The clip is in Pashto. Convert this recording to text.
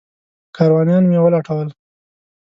کاروانیان مې ولټول.